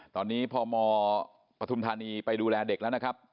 ตอนนี้พมปฐุมธานีไปดูแลเด็กแล้วนะครับ